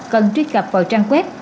cần truy cập vào trang web